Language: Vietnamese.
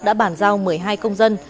đã bản giao một mươi hai công dân